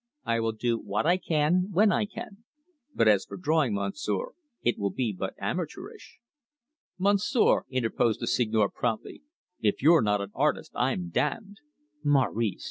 "I will do what I can when I can. But as for drawing, Monsieur, it will be but amateurish." "Monsieur," interposed the Seigneur promptly, "if you're not an artist, I'm damned!" "Maurice!"